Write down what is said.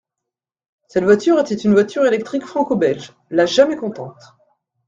Cette voiture était une voiture électrique franco-belge, la « Jamais contente ».